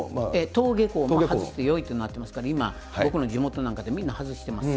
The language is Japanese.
登下校も外してよいとなってますから、今、僕の地元なんかでみんな外してます。